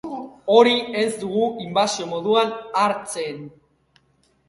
Hori ez dugu inbasio moduan hartzen.